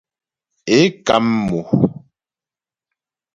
Ě kam mo.